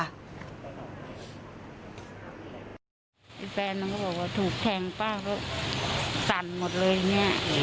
แฟนมันก็บอกว่าถูกแทงป้าเพราะสั่นหมดเลยอย่างเนี้ย